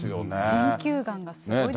選球眼がすごいですね。